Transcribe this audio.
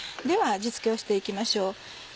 では味付けをして行きましょう。